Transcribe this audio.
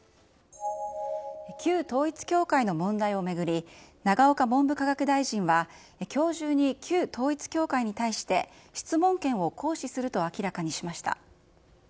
旧統一教会の問題を巡り、永岡文部科学大臣は、きょう中に旧統一教会に対して、質問権を行使すると明らかにしました。